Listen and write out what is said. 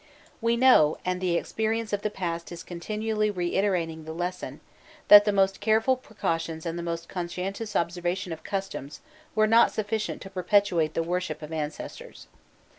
We know, and the experience of the past is continually reiterating the lesson, that the most careful precautions and the most conscientious observation of customs were not sufficient to perpetuate the worship of ancestors.